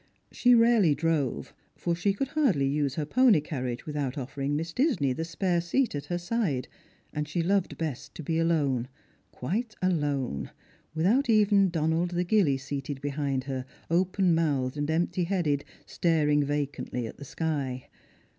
She rarely drove, for she could hardly use her pony carriage without ofi"ering Miss Disney the spare seat at her side, and she loved best to be alone, quite alone, without even Donald the gillie seated behind her, open mouthed and empty headed, staring vacantly at the sky.